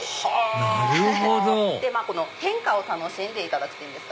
なるほどこの変化を楽しんでいただくっていうか。